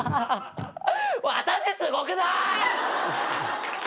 私すごくない？